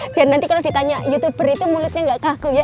biar nanti kalau ditanya youtuber itu mulutnya nggak kagu ya